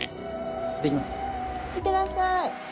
いってらっしゃい。